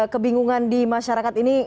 kebingungan di masyarakat ini